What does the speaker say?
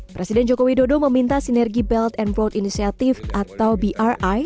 presiden joko widodo meminta sinergi belt and road initiative atau bri